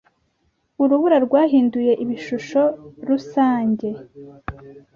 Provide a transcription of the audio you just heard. urubura rwahinduye ibishusho rusange;